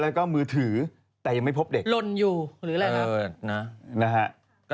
แล้วก็มือถือแต่ยังไม่พบเด็ก